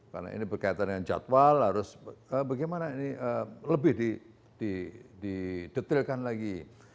karena ini berkaitan dengan jadwal harus bagaimana ini lebih didetailkan lagi